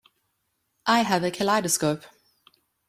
I have a kaleidoscope.